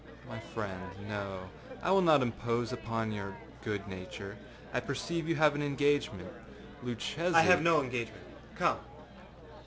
â âMy friend, no; I will not impose upon your good nature. I perceive you have an engagement. Luchesiââ âI have no engagement; âcome.